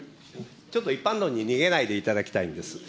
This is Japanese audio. ちょっと一般論に逃げないでいただきたいんです。